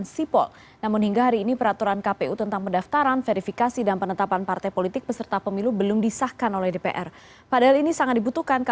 selamat sore mbak